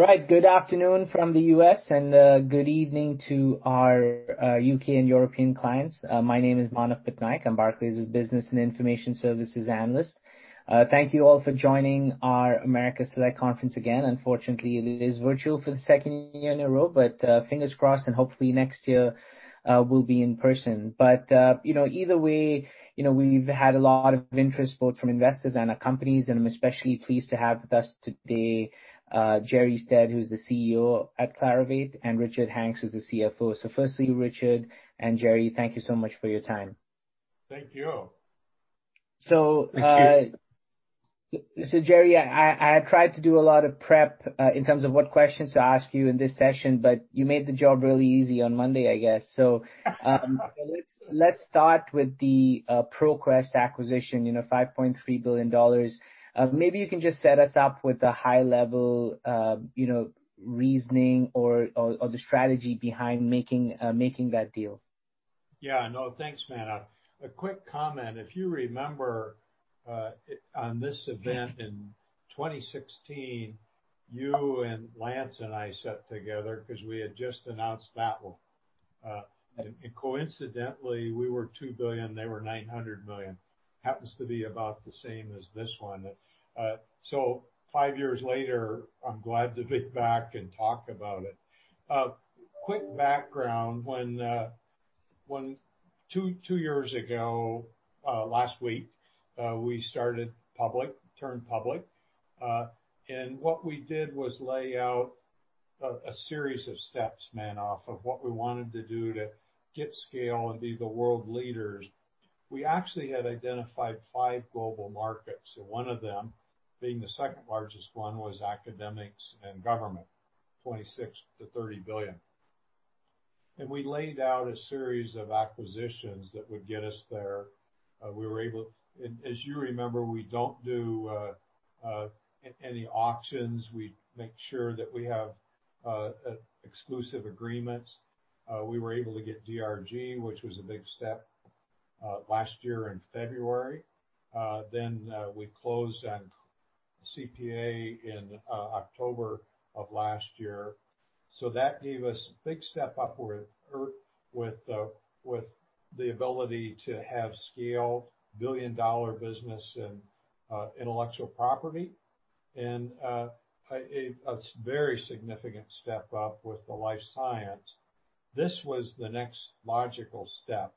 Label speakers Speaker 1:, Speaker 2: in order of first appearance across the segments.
Speaker 1: Right. Good afternoon from the U.S., and good evening to our U.K. and European clients. My name is Manav Patnaik. I'm Barclays' Business and Information Services Analyst. Thank you all for joining our Americas Select Conference again. Unfortunately, it is virtual for the second year-in a row, but fingers crossed, and hopefully next year we'll be in person. Either way, we've had a lot of interest both from investors and our companies, and I'm especially pleased to have with us today, Jerre Stead, who's the Chief Executive Officer at Clarivate, and Richard Hanks, who's the Chief Financial Officer. Firstly, Richard and Jerre, thank you so much for your time.
Speaker 2: Thank you.
Speaker 1: So-
Speaker 3: Thank you.
Speaker 1: Jerre, I tried to do a lot of prep in terms of what questions to ask you in this session, but you made the job really easy on Monday, I guess. Let's start with the ProQuest acquisition, $5.3 billion. Maybe you can just set us up with a high level reasoning or the strategy behind making that deal.
Speaker 2: Yeah. No, thanks, Manav. A quick comment. If you remember, on this event in 2016, you and Lance and I sat together because we had just announced that one. Coincidentally, we were $2 billion, they were $900 million. Happens to be about the same as this one. Five years later, I'm glad to be back and talk about it. A quick background. Two years ago, last week, we started public, turned public. What we did was lay out a series of steps, Manav, of what we wanted to do to get scale and be the world leaders. We actually had identified five global markets, and one of them being the second largest one was academics and government, $26 billion-$30 billion. We laid out a series of acquisitions that would get us there. As you remember, we don't do any auctions. We make sure that we have exclusive agreements. We were able to get DRG, which was a big step, last year-in February. We closed on CPA in October of last year. That gave us a big step upward with the ability to have scale, billion-dollar business in intellectual property and a very significant step up with the life science. This was the next logical step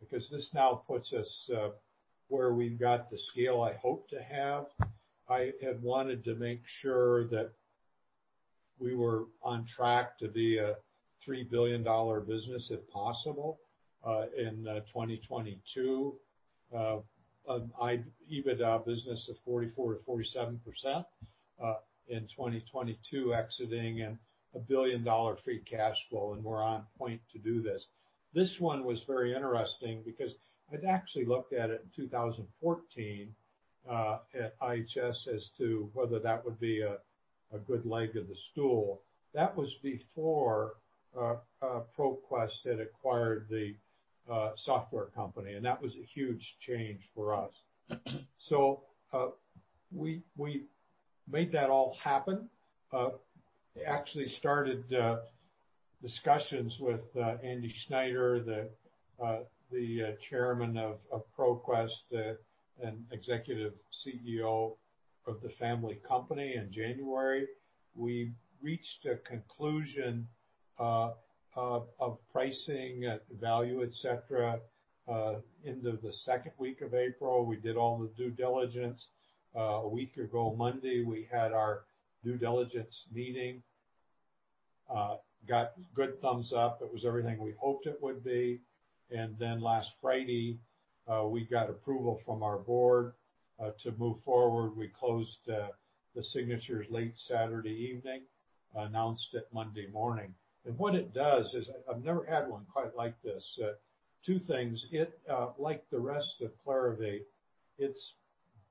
Speaker 2: because this now puts us where we've got the scale I hope to have. I had wanted to make sure that we were on track to be a $3 billion business if possible, in 2022. An EBITDA business of 44%-47% in 2022 exiting and a $1 billion free cash flow, and we're on point to do this. This one was very interesting because I'd actually looked at it in 2014, at IHS as to whether that would be a good leg of the stool. That was before ProQuest had acquired the software company. That was a huge change for us. We made that all happen. Actually started discussions with Andy Snyder, the Chairman of ProQuest, and Executive Chief Executive Officer of the family company in January. We reached a conclusion of pricing at the value, et cetera, into the second week of April. We did all the due diligence. A week ago Monday, we had our due diligence meeting, got good thumbs up. It was everything we hoped it would be. Last Friday, we got approval from our board to move forward. We closed the signatures late Saturday evening, announced it Monday morning. What it does is, I've never had one quite like this. Two things, like the rest of Clarivate, it's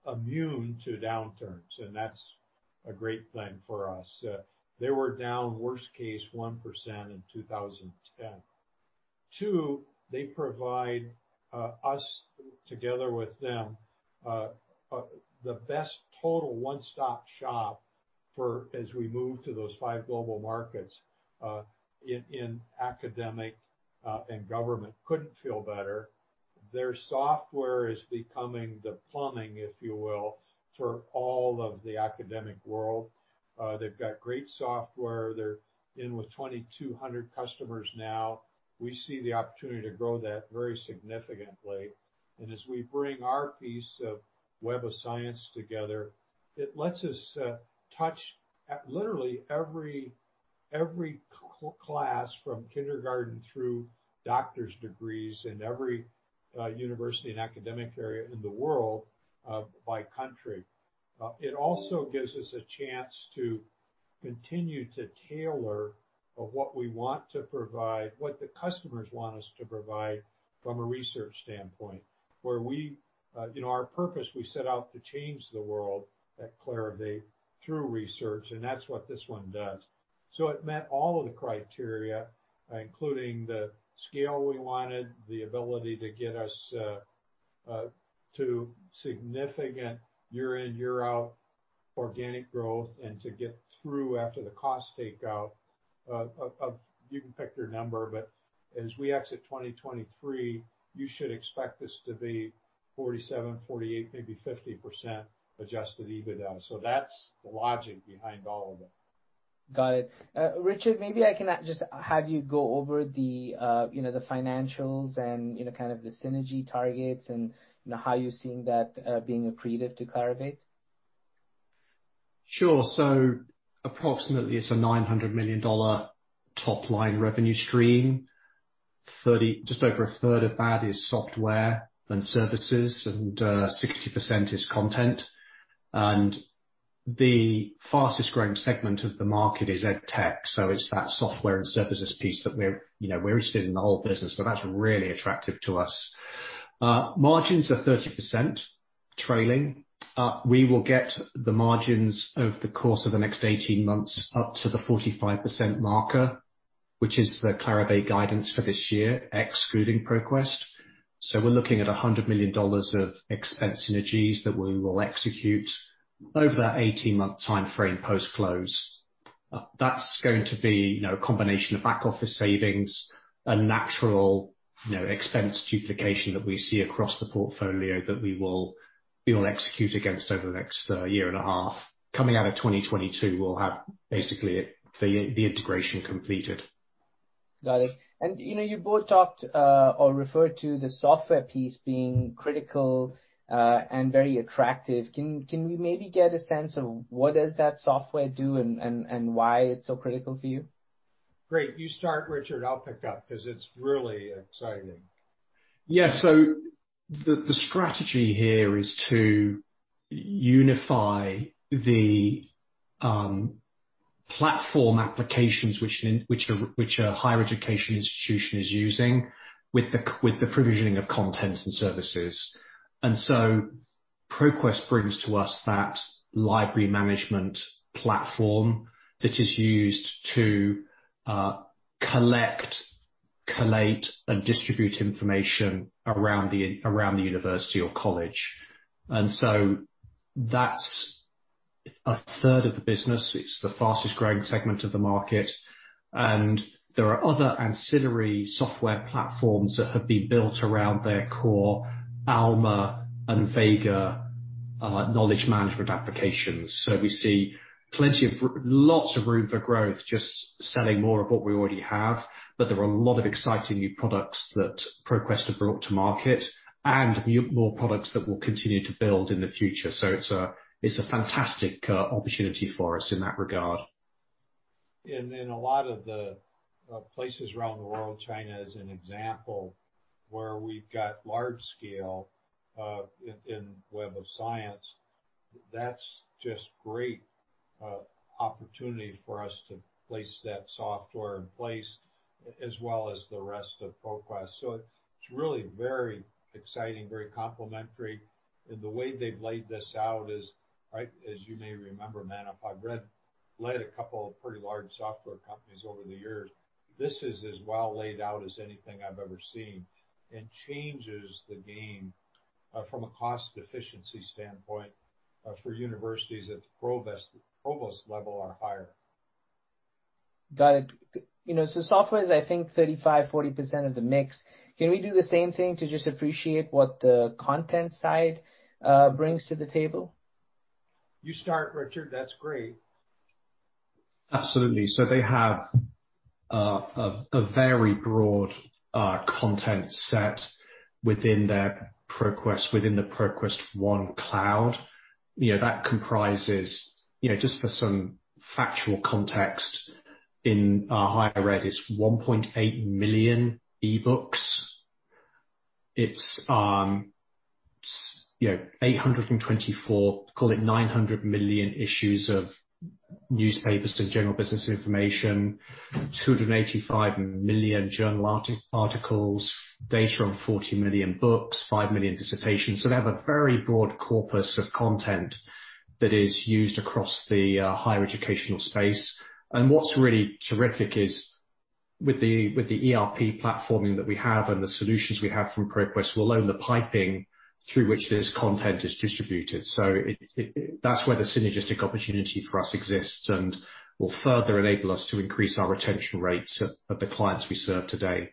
Speaker 2: immune to downturns, and that's a great thing for us. They were down, worst case, 1% in 2010. Two, they provide us together with them, the best total one-stop shop as we move to those five global markets in academic and government. Couldn't feel better. Their software is becoming the plumbing, if you will, for all of the academic world. They've got great software. They're in with 2,200 customers now. We see the opportunity to grow that very significantly. As we bring our piece of Web of Science together, it lets us touch literally every class from kindergarten through doctor's degrees in every university and academic area in the world by country. It also gives us a chance to continue to tailor what we want to provide, what the customers want us to provide from a research standpoint, where our purpose we set out to change the world at Clarivate through research, that's what this one does. It met all of the criteria, including the scale we wanted, the ability to get us to significant year-in, year-out organic growth, and to get through after the cost takeout, you can pick your number, but as we exit 2023, you should expect this to be 47%, 48%, maybe 50% adjusted EBITDA. That's the logic behind all of it.
Speaker 1: Got it. Richard, maybe I can just have you go over the financials and kind of the synergy targets and how you're seeing that being accretive to Clarivate.
Speaker 3: Sure. Approximately it's a $900 million top-line revenue stream. Just over a third of that is software and services, and 60% is content. The fastest-growing segment of the market is EdTech, it's that software and services piece that we're interested in the whole business, that's really attractive to us. Margins are 30% trailing. We will get the margins over the course of the next 18 months up to the 45% marker, which is the Clarivate guidance for this year, excluding ProQuest. We're looking at $100 million of expense synergies that we will execute over that 18-month timeframe post-close. That's going to be a combination of back-office savings and natural expense duplication that we see across the portfolio that we will execute against over the next year and a half. Coming out of 2022, we'll have basically the integration completed.
Speaker 1: Got it. You both talked, or referred to the software piece being critical and very attractive. Can you maybe get a sense of what does that software do and why it's so critical for you?
Speaker 2: Great. You start, Richard, I'll pick up because it's really exciting.
Speaker 3: The strategy here is to unify the platform applications which a higher education institution is using with the provisioning of content and services. ProQuest brings to us that library management platform that is used to collect, collate, and distribute information around the university or college. That's a third of the business. It's the fastest-growing segment of the market, and there are other ancillary software platforms that have been built around their core Alma and Vega knowledge management applications. We see lots of room for growth, just selling more of what we already have. There are a lot of exciting new products that ProQuest have brought to market and more products that we'll continue to build in the future. It's a fantastic opportunity for us in that regard.
Speaker 2: In a lot of the places around the world, China as an example, where we've got large scale in Web of Science, that's just great opportunities for us to place that software in place as well as the rest of ProQuest. It's really very exciting, very complementary. The way they've laid this out is, right, as you may remember, Manav, I've led a couple of pretty large software companies over the years. This is as well laid out as anything I've ever seen and changes the game from a cost efficiency standpoint for universities at the provost level or higher.
Speaker 1: Got it. Software is, I think, 35%, 40% of the mix. Can we do the same thing to just appreciate what the content side brings to the table?
Speaker 2: You start, Richard. That's great.
Speaker 3: Absolutely. They have a very broad content set within the ProQuest One Academic. That comprises, just for some factual context in higher ed, it's 1.8 million e-books. It's 824 million, call it 900 million issues of newspapers to general business information, 285 million journal articles, data on 40 million books, 5 million dissertations. They have a very broad corpus of content that is used across the higher educational space. What's really terrific is with the ERP platform that we have and the solutions we have from ProQuest, we'll own the piping through which this content is distributed. That's where the synergistic opportunity for us exists and will further enable us to increase our retention rates of the clients we serve today.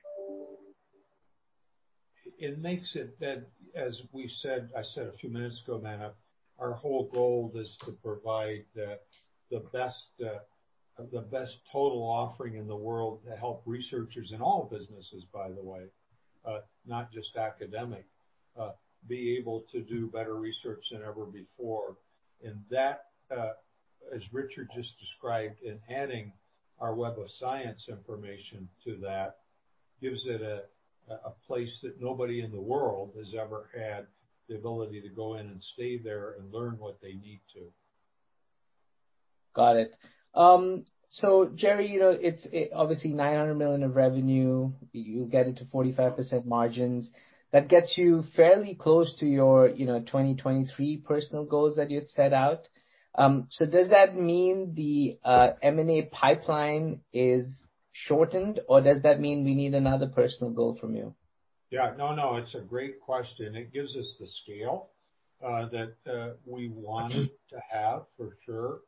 Speaker 2: It makes it that, as I said a few minutes ago, Manav, our whole goal is to provide the best total offering in the world to help researchers in all businesses, by the way, not just academic, be able to do better research than ever before. That, as Richard just described, in adding our Web of Science information to that, gives it a place that nobody in the world has ever had the ability to go in and stay there and learn what they need to.
Speaker 1: Got it. Jerre, it's obviously $900 million of revenue. You'll get it to 45% margins. That gets you fairly close to your 2023 personal goals that you've set out. Does that mean the M&A pipeline is shortened, or does that mean we need another personal goal from you?
Speaker 2: No, it's a great question. It gives us the scale that we wanted to have for sure.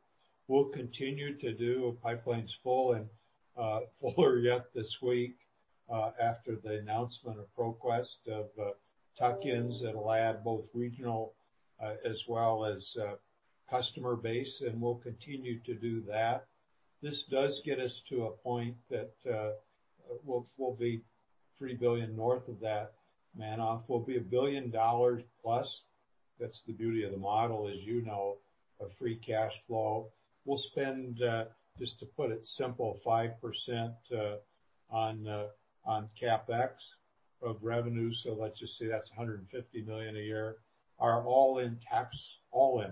Speaker 2: We'll continue to do pipelines full and fuller yet this week after the announcement of ProQuest of tuck-ins that will add both regional as well as customer base, and we'll continue to do that. This does get us to a point that we'll be $3 billion north of that, Manav. We'll be $1 billion+. That's the beauty of the model, as you know, of free cash flow. We'll spend, just to put it simple, 5% on CapEx of revenue. Let's just say that's $150 million a year. Our all-in tax, all in,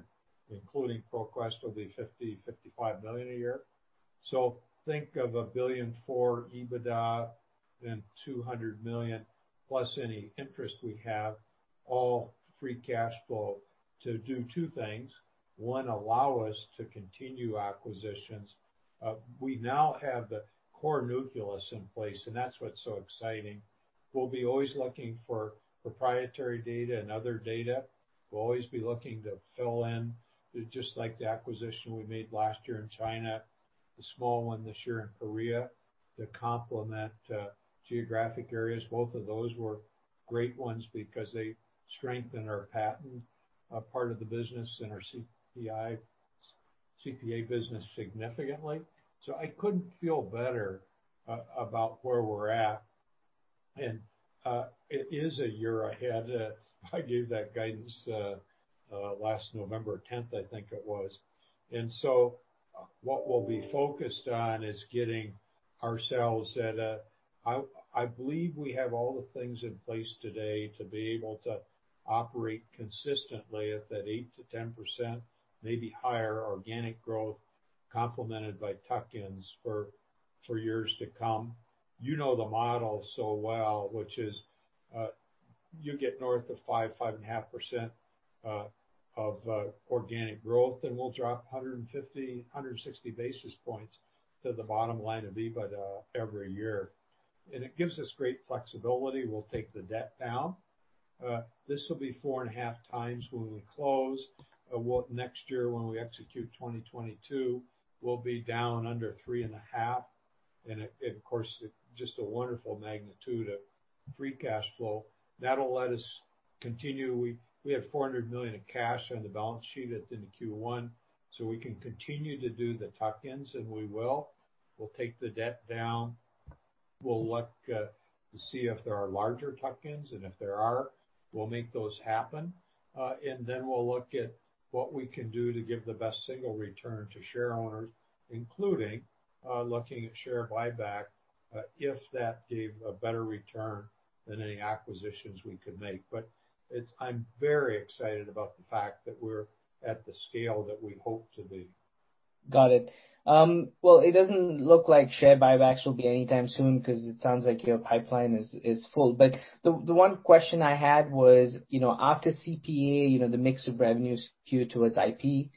Speaker 2: including ProQuest, will be $50 million-$55 million a year. Think of $1 billion for EBITDA and $200 million plus any interest we have, all free cash flow to do two things. One, allow us to continue acquisitions. We now have the core nucleus in place. That's what's so exciting. We'll be always looking for proprietary data and other data. We'll always be looking to fill in, just like the acquisition we made last year-in China, the small one this year-in Korea, to complement geographic areas. Both of those were great ones because they strengthen our patent part of the business and our CPA business significantly. I couldn't feel better about where we're at. It is a year ahead. I gave that guidance last November 10th, I think it was. What we'll be focused on is I believe we have all the things in place today to be able to operate consistently at that 8%-10%, maybe higher organic growth, complemented by tuck-ins for years to come. You know the model so well, which is you get north of 5%, 5.5% of organic growth, we'll drop 150, 160 basis points to the bottom line of EBITDA every year. It gives us great flexibility. We'll take the debt down. This will be 4.5 times when we close. Next year, when we execute 2022, we'll be down under 3.5 times. Of course, just a wonderful magnitude of free cash flow. That'll let us continue. We have $400 million in cash on the balance sheet at the end of Q1, we can continue to do the tuck-ins, we will. We'll take the debt down. We'll look to see if there are larger tuck-ins, if there are, we'll make those happen. Then we'll look at what we can do to give the best single return to share owners, including looking at share buyback, if that gave a better return than any acquisitions we could make. I'm very excited about the fact that we're at the scale that we hope to be.
Speaker 1: Got it. It doesn't look like share buybacks will be anytime soon because it sounds like your pipeline is full. The one question I had was, after CPA, the mix of revenue skewed towards IP.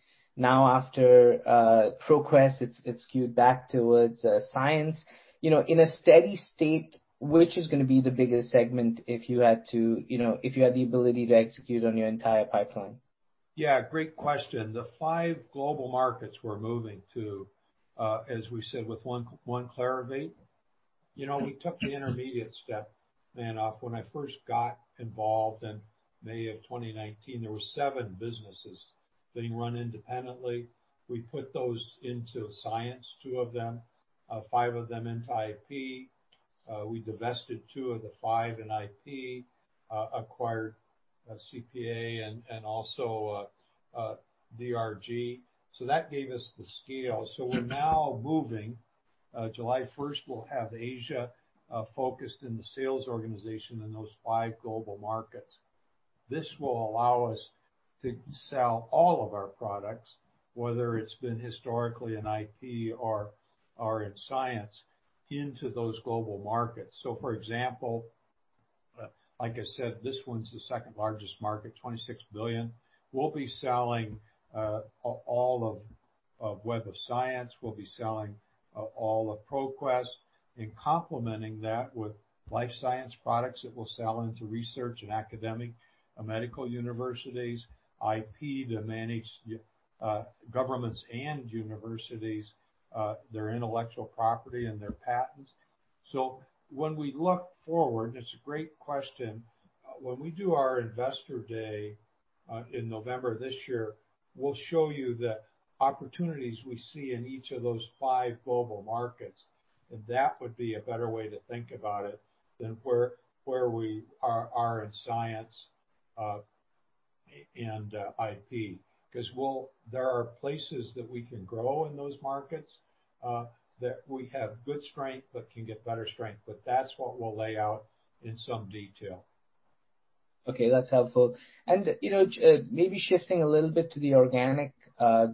Speaker 1: After ProQuest, it's skewed back towards science. In a steady state, which is going to be the biggest segment if you had the ability to execute on your entire pipeline?
Speaker 2: Yeah, great question. The five global markets we're moving to, as we said, with one Clarivate. We took the intermediate step, Manav. When I first got involved in May of 2019, there were seven businesses being run independently. We put those into Science, two of them, five of them into IP. We divested two of the five in IP, acquired CPA and also DRG. That gave us the scale. We're now moving. July 1st, we'll have Asia focused in the sales organization in those five global markets. This will allow us to sell all of our products, whether it's been historically in IP or in Science, into those global markets. For example, like I said, this one's the second largest market, $26 billion. We'll be selling all of Web of Science, we'll be selling all of ProQuest, and complementing that with life science products that we'll sell into research and academic medical universities, IP to manage governments and universities, their intellectual property and their patents. When we look forward, it's a great question. When we do our Investor Day in November this year, we'll show you the opportunities we see in each of those five global markets, and that would be a better way to think about it than where we are in science and IP. Because there are places that we can grow in those markets, that we have good strength but can get better strength. But that's what we'll lay out in some detail.
Speaker 1: Okay, that's helpful. Maybe shifting a little bit to the organic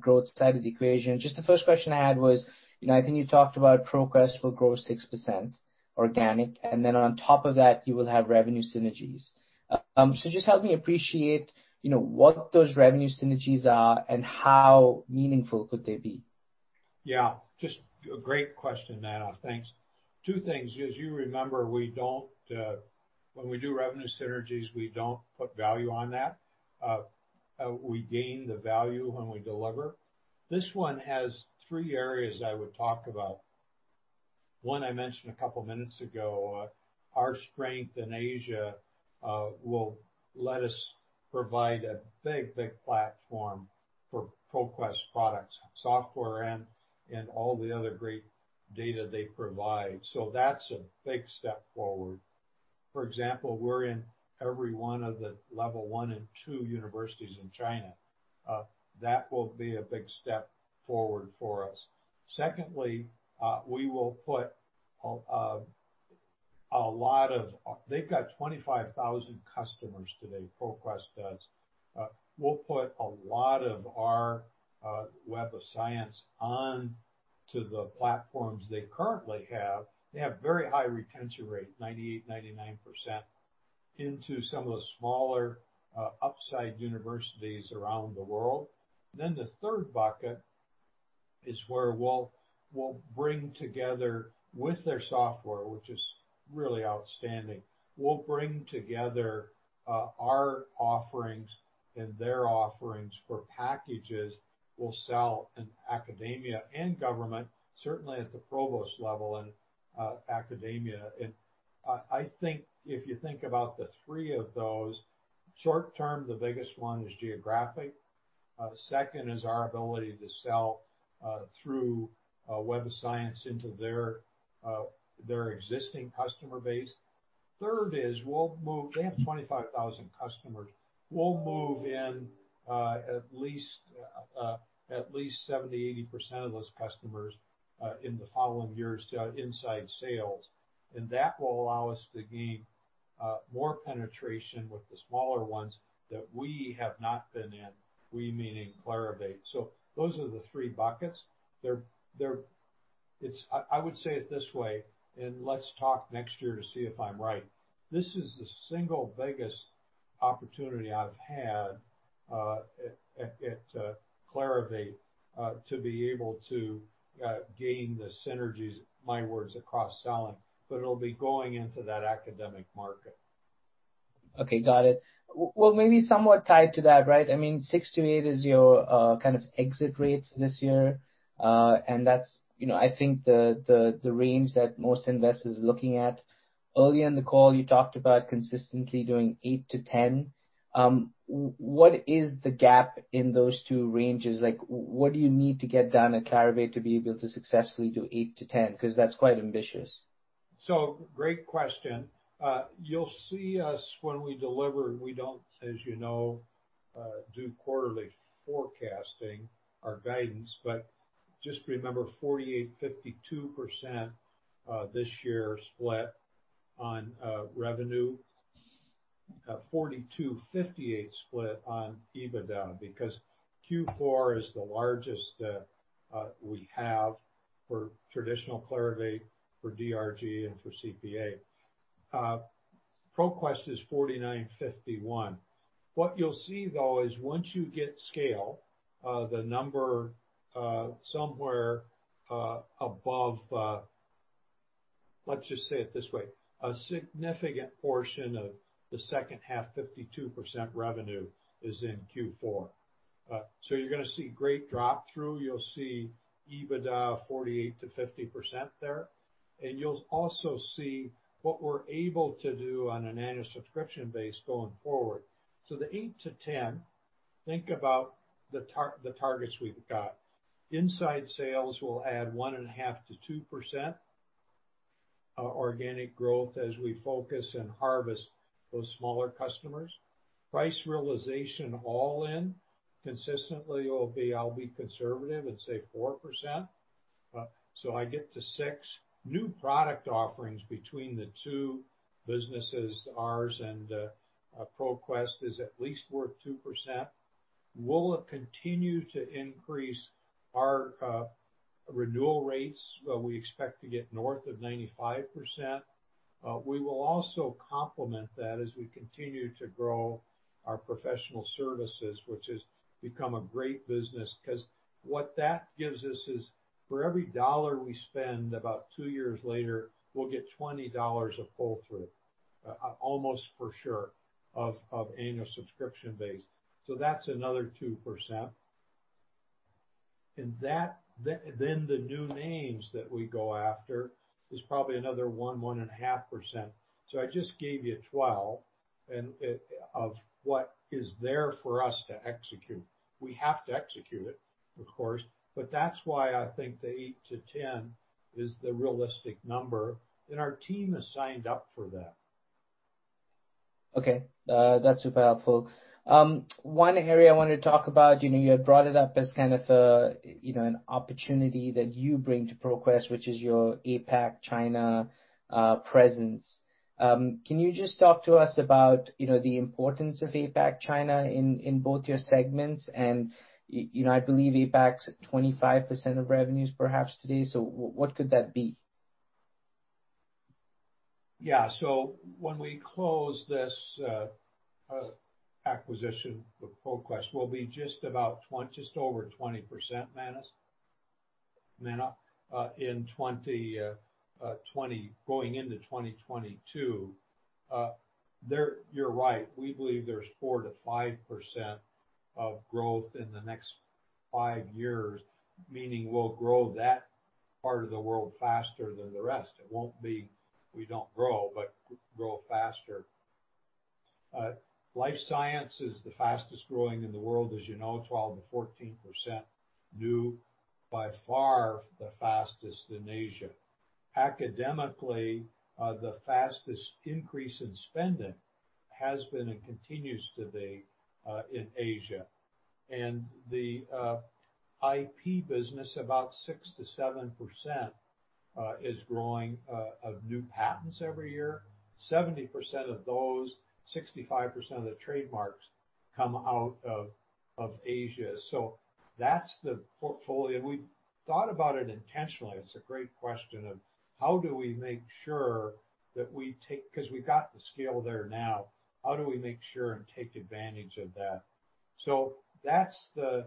Speaker 1: growth side of the equation. Just the first question I had was, I think you talked about ProQuest will grow 6% organic, and then on top of that, you will have revenue synergies. Just help me appreciate what those revenue synergies are and how meaningful could they be?
Speaker 2: Yeah. Just a great question, Manav. Thanks. Two things. As you remember, when we do revenue synergies, we don't put value on that. We gain the value when we deliver. This one has three areas I would talk about. One I mentioned a couple of minutes ago, our strength in Asia, will let us provide a big platform for ProQuest products, software, and all the other great data they provide. That's a big step forward. For example, we're in every one of the Level 1 and 2 universities in China. That will be a big step forward for us. Secondly, they've got 25,000 customers today, ProQuest does. We'll put a lot of our Web of Science onto the platforms they currently have. They have very high retention rate, 98%-99%, into some of the smaller upside universities around the world. The third bucket is where we'll bring together with their software, which is really outstanding. We'll bring together our offerings and their offerings for packages we'll sell in academia and government, certainly at the provost level in academia. I think if you think about the three of those, short term, the biggest one is geographic. Second is our ability to sell through Web of Science into their existing customer base. Third is, they have 25,000 customers. We'll move in at least 70%-80% of those customers, in the following years to inside sales. That will allow us to gain more penetration with the smaller ones that we have not been in, we meaning Clarivate. Those are the three buckets. I would say it this way, and let's talk next year to see if I'm right. This is the single biggest opportunity I've had at Clarivate, to be able to gain the synergies, my words, across selling, but it'll be going into that academic market.
Speaker 1: Okay. Got it. Well, I mean, maybe somewhat tied to that, right? 6%-8% is your exit rate this year. That's I think the range that most investors are looking at. Early in the call, you talked about consistently doing 8%-10%. What is the gap in those two ranges? What do you need to get done at Clarivate to be able to successfully do 8%-10%? That's quite ambitious.
Speaker 2: Great question. You'll see us when we deliver. We don't, as you know, do quarterly forecasting our guidance, but just remember 48/52 this year split on revenue, a 42/58 split on EBITDA because Q4 is the largest we have for traditional Clarivate for DRG and for CPA. ProQuest is 49/51. What you'll see though is once you get scale, Let's just say it this way, a significant portion of the second half, 52% revenue is in Q4. You're going to see great drop-through. You'll see EBITDA 48%-50% there. And you'll also see what we're able to do on an annual subscription base going forward. The 8%-10%, think about the targets we've got. Inside sales will add 1.5%-2% organic growth as we focus and harvest those smaller customers. Price realization all in consistently will be, I'll be conservative and say 4%. I get to 6%. New product offerings between the two businesses, ours and ProQuest is at least worth 2%. Will it continue to increase our renewal rates? Well, we expect to get north of 95%. We will also complement that as we continue to grow our professional services, which has become a great business because what that gives us is for every dollar we spend, about two years later, we'll get $20 of pull-through, almost for sure of annual subscription base. That's another 2%. The new names that we go after is probably another 1.5%. I just gave you 12% of what is there for us to execute. We have to execute it, of course, but that's why I think the 8%-10% is the realistic number, and our team has signed up for that.
Speaker 1: Okay. That's super helpful. One area I wanted to talk about, you had brought it up as kind of an opportunity that you bring to ProQuest, which is your APAC China presence. Can you just talk to us about the importance of APAC China in both your segments? I believe APAC is at 25% of revenues perhaps today. What could that be?
Speaker 2: Yeah. When we close this acquisition with ProQuest, we'll be just over 20%, Manav, going into 2022. You're right, we believe there's 4%-5% of growth in the next five years, meaning we'll grow that part of the world faster than the rest. It won't be we don't grow, but grow faster. Life science is the fastest growing in the world, as you know, 12%-14% new, by far the fastest in Asia. Academically, the fastest increase in spending has been and continues to be in Asia. The IP business, about 6%-7% is growing of new patents every year. 70% of those, 65% of the trademarks come out of Asia. That's the portfolio. We thought about it intentionally. It's a great question of how do we make sure that we take because we got the scale there now. How do we make sure and take advantage of that? That's the,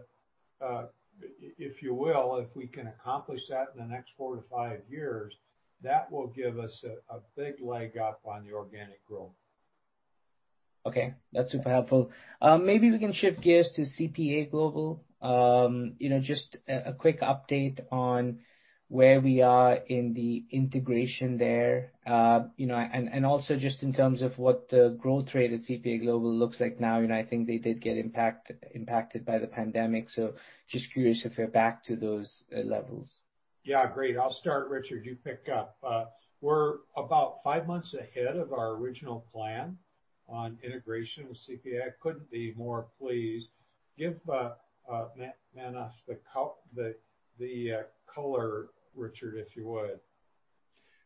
Speaker 2: if you will, if we can accomplish that in the next four to five years, that will give us a big leg up on the organic growth.
Speaker 1: Okay, that's super helpful. Maybe we can shift gears to CPA Global. Just a quick update on where we are in the integration there. Also just in terms of what the growth rate of CPA Global looks like now. I think they did get impacted by the pandemic, so just curious if you're back to those levels.
Speaker 2: Yeah. Great. I'll start, Richard, you pick up. We're about five months ahead of our original plan on integration with CPA. Couldn't be more pleased. Give Manav the color, Richard, if you would.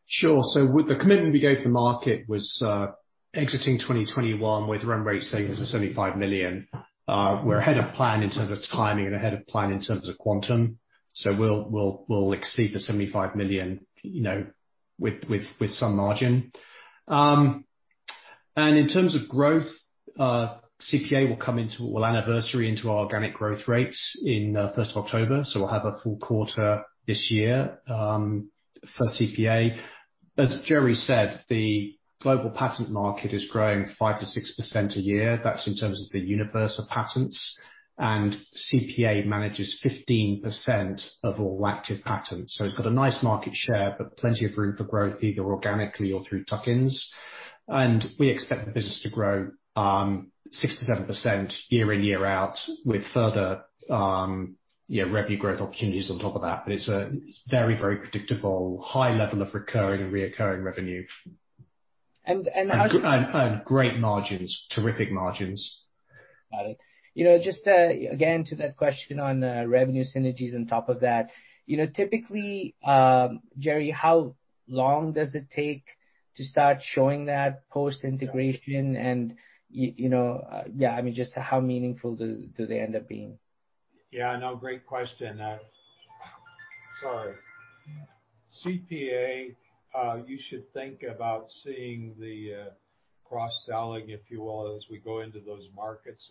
Speaker 3: Sure. With the commitment we gave the market was exiting 2021 with run rate savings of $75 million. We're ahead of plan in terms of timing and ahead of plan in terms of quantum. We'll exceed the $75 million with some margin. In terms of growth, CPA will come into anniversary into our organic growth rates in 1st October. We'll have a full quarter this year for CPA. As Jerre said, the global patent market is growing 5%-6% a year. That's in terms of the universe of patents, and CPA manages 15% of all active patents. It's got a nice market share, but plenty of room for growth, either organically or through tuck-ins. We expect the business to grow 6%-7% year-in, year-out with further revenue growth opportunities on top of that. It's a very predictable high level of recurring revenue.
Speaker 1: And-
Speaker 3: Great margins. Terrific margins.
Speaker 1: Got it. Just again, to that question on revenue synergies on top of that, typically, Jerre, how long does it take to start showing that post-integration and just how meaningful do they end up being?
Speaker 2: Yeah. No, great question. Sorry. CPA, you should think about seeing the cross-selling, if you will, as we go into those markets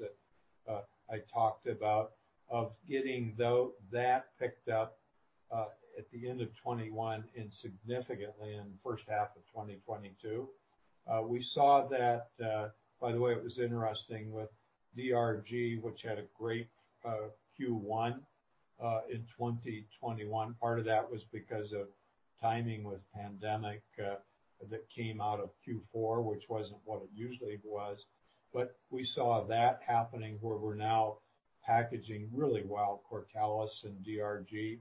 Speaker 2: that I talked about, of getting that picked up at the end of 2021 and significantly in the first half of 2022. We saw that, by the way, it was interesting with DRG, which had a great Q1 in 2021. Part of that was because of timing with pandemic that came out of Q4, which wasn't what it usually was. We saw that happening where we're now packaging really well, Cortellis and DRG.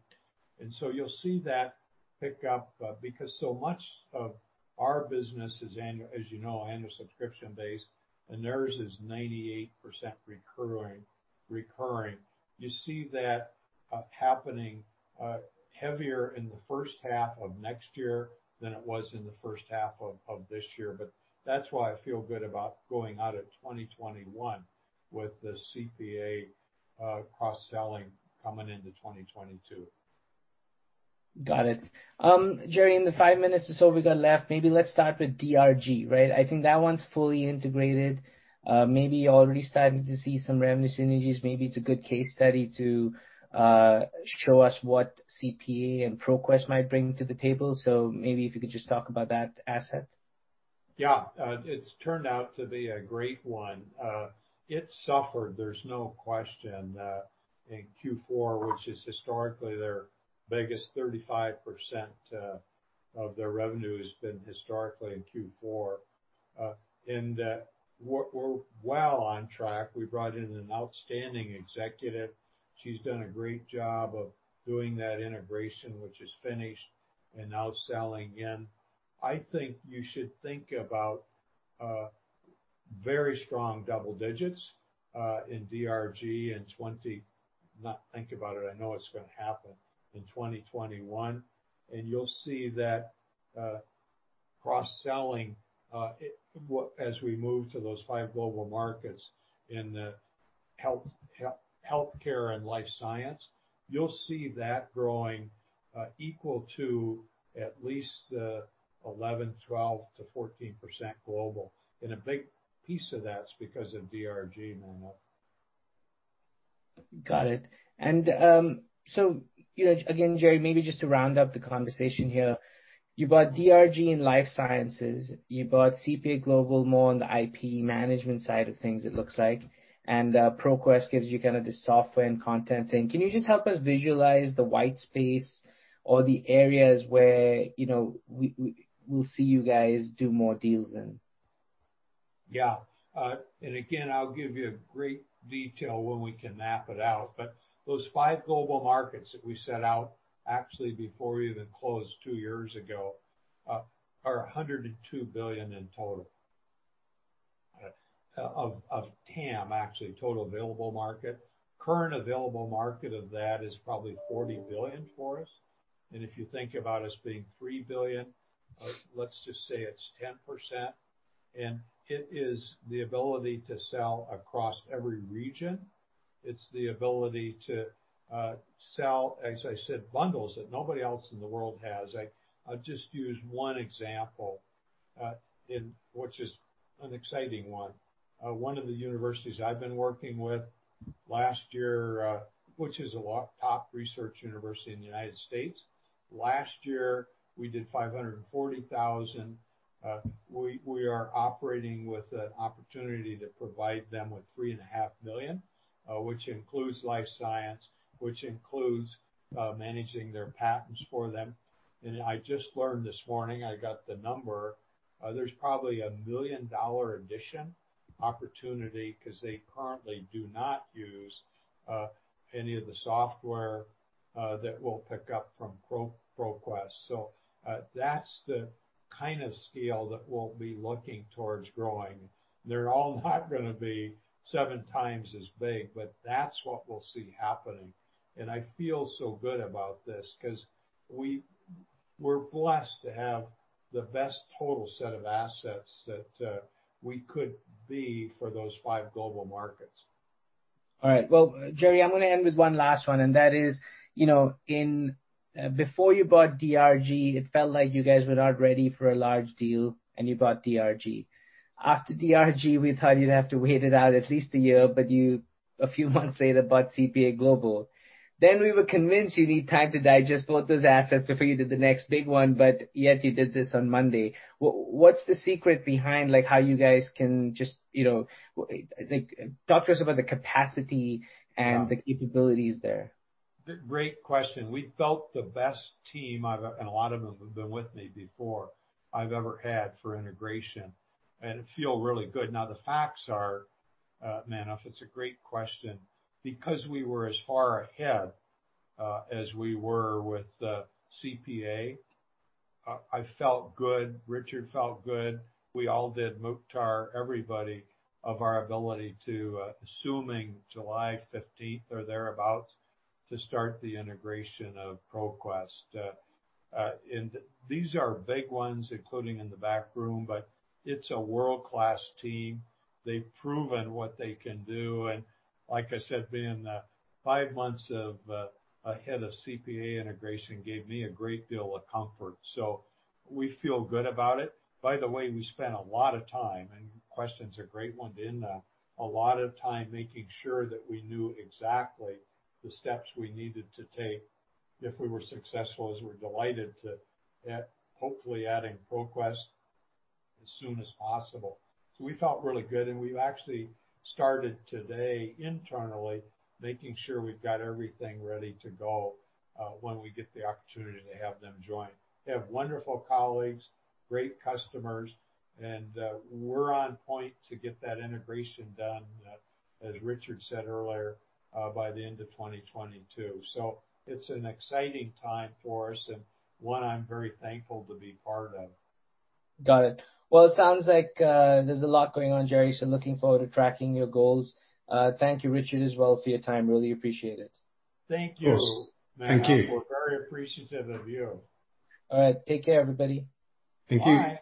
Speaker 2: You'll see that pick up because so much of our business is annual, as you know, annual subscription base, and theirs is 98% recurring. You see that happening heavier in the first half of next year than it was in the first half of this year. That's why I feel good about going out of 2021 with the CPA cross-selling coming into 2022.
Speaker 1: Got it. Jerre, in the five minutes or so we've got left, maybe let's start with DRG, right? I think that one's fully integrated. Maybe you're already starting to see some revenue synergies. Maybe it's a good case study to show us what CPA and ProQuest might bring to the table. Maybe if you could just talk about that asset.
Speaker 2: Yeah. It's turned out to be a great one. It suffered, there's no question, in Q4, which is historically their biggest 35% of their revenue has been historically in Q4. We're well on track. We brought in an outstanding executive. She's done a great job of doing that integration, which is finished and now selling again. I think you should think about very strong double digits in DRG. Not think about it, I know it's going to happen in 2021. You'll see that cross-selling as we move to those five global markets in the healthcare and life sciences, you'll see that growing equal to at least 11%, 12%-14% global. A big piece of that is because of DRG, Manav.
Speaker 1: Got it. Again, Jerre, maybe just to round up the conversation here, you bought DRG in life sciences, you bought CPA Global more on the IP management side of things it looks like, and ProQuest gives you kind of the software and content thing. Can you just help us visualize the white space or the areas where we'll see you guys do more deals in?
Speaker 2: Yeah. Again, I'll give you great detail when we can map it out, but those five global markets that we set out actually before we even closed two years ago, are $102 billion in total of TAM, actually, total available market. Current available market of that is probably $40 billion for us. If you think about us being $3 billion, let's just say it's 10%, it is the ability to sell across every region. It's the ability to sell, as I said, bundles that nobody else in the world has. I'll just use one example, which is an exciting one. One of the universities I've been working with, which is a top research university in the U.S., last year, we did $540,000. We are operating with an opportunity to provide them with $3.5 million, which includes life science, which includes managing their patents for them. I just learned this morning, I got the number, there's probably a million-dollar addition opportunity because they currently do not use any of the software that we'll pick up from ProQuest. That's the kind of scale that we'll be looking towards growing. They're all not going to be seven times as big, but that's what we'll see happening. I feel so good about this because we're blessed to have the best total set of assets that we could be for those five global markets.
Speaker 1: All right. Well, Jerre, I'm going to end with one last one, that is, before you bought DRG, it felt like you guys were not ready for a large deal, you bought DRG. After DRG, we thought you'd have to wait it out at least a year, you, a few months later, bought CPA Global. We were convinced you need time to digest both those assets before you did the next big one, yet you did this on Monday. What's the secret behind how you guys can just talk to us about the capacity and the capabilities there.
Speaker 2: Great question. We felt the best team, and a lot of them have been with me before, I've ever had for integration, and it feel really good. The facts are, Manav, it's a great question. We were as far ahead as we were with CPA, I felt good, Richard felt good, we all did, Mukhtar, everybody, of our ability to, assuming July 15th or thereabout, to start the integration of ProQuest. These are big ones, including in the backroom, but it's a world-class team. They've proven what they can do, and like I said, being five months ahead of CPA integration gave me a great deal of comfort. We feel good about it. By the way, we spent a lot of time, and your question's a great one, a lot of time making sure that we knew exactly the steps we needed to take if we were successful, as we're delighted to hopefully adding ProQuest as soon as possible. We felt really good, and we've actually started today internally, making sure we've got everything ready to go when we get the opportunity to have them join. They have wonderful colleagues, great customers, and we're on point to get that integration done, as Richard said earlier, by the end of 2022. It's an exciting time for us and one I'm very thankful to be part of.
Speaker 1: Got it. It sounds like there's a lot going on, Jerre, looking forward to tracking your goals. Thank you, Richard, as well for your time. Really appreciate it.
Speaker 2: Thank you.
Speaker 3: Of course. Thank you.
Speaker 2: Manav, we're very appreciative of you.
Speaker 1: All right. Take care, everybody.
Speaker 3: Thank you.